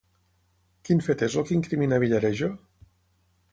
Quin fet és el que incrimina Villarejo?